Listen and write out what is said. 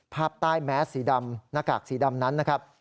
ภาพใต้แมสสีดำหน้ากากสีดำนั้นนะครับ